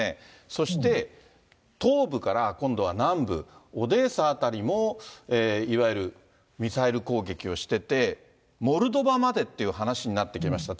そして東部から今度は南部、オデーサ辺りもいわゆるミサイル攻撃をしてて、モルドバまでっていう話になってきました。